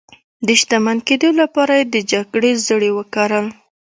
د شتمن کېدو لپاره یې د جګړې زړي وکرل.